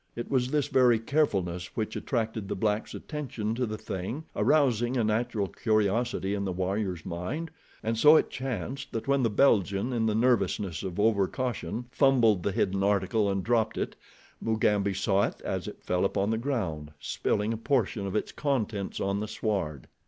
It was this very carefulness which attracted the black's attention to the thing, arousing a natural curiosity in the warrior's mind, and so it chanced that when the Belgian, in the nervousness of overcaution, fumbled the hidden article and dropped it, Mugambi saw it as it fell upon the ground, spilling a portion of its contents on the sward.